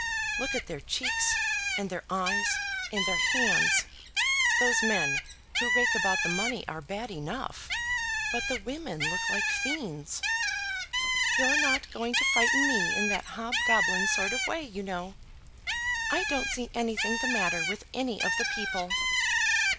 Look at their cheeks, and their eyes, and their hands. Those men who rake about the money are bad enough, but the women look like fiends." "You're not going to frighten me in that hobgoblin sort of way, you know. I don't see anything the matter with any of the people."